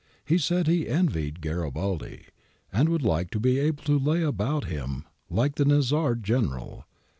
* He said he envied Garibaldi, and would like to be able to lay about him, like the Nizzard general.